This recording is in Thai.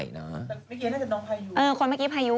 เขาไหมกี่น่าจะตอนปายุ